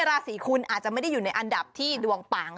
ราศีคุณอาจจะไม่ได้อยู่ในอันดับที่ดวงปัง